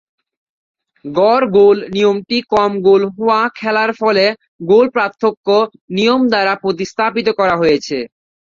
গড় গোল নিয়মটি কম গোল হওয়া খেলার ফলে গোল পার্থক্য নিয়ম দ্বারা প্রতিস্থাপিত করা হয়েছে।